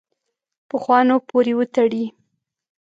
پخوانو پورې وتړي.